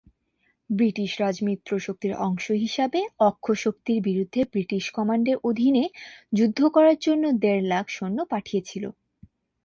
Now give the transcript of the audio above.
British Raj মিত্রশক্তির অংশ হিসাবে অক্ষশক্তির বিরুদ্ধে ব্রিটিশ কমান্ডের অধীনে যুদ্ধ করার জন্য দেড় লাখ সৈন্য পাঠিয়েছিল।